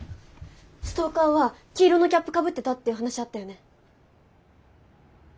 ストーカーは黄色のキャップかぶってたって話あったよね？